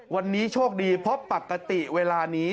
วันนี้โชคดีเพราะปกติเวลานี้